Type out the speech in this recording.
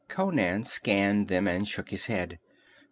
Conan scanned them and shook his head.